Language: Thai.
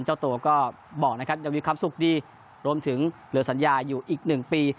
เจ้าตัวก็บอกนะครับยังมีความสุขดีรวมถึงเหลือสัญญาอยู่อีกหนึ่งปี